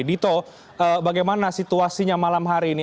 dito bagaimana situasinya malam hari ini